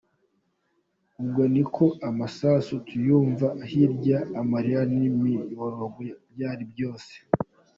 Ubwo ni ko amasasu tuyumva hirya amarira n’imiborogo byari byose.